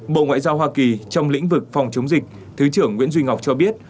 bộ ngoại giao hoa kỳ trong lĩnh vực phòng chống dịch thứ trưởng nguyễn duy ngọc cho biết